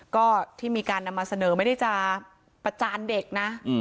ก็ที่มีการนำมาเสนอไม่ได้จะประจานเด็กนะ